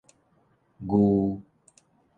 御